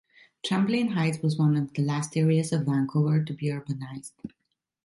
Champlain Heights was one of the last areas of Vancouver to be urbanized.